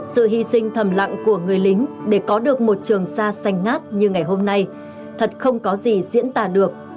sự hy sinh thầm lặng của người lính để có được một trường xa xanh ngát như ngày hôm nay thật không có gì diễn tả được